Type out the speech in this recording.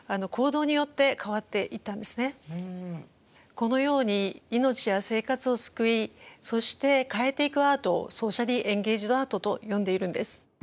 このように命や生活を救いそして変えていくアートをソーシャリー・エンゲイジド・アートと呼んでいるんです。